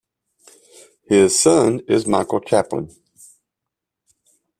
His son is Michael Chaplin.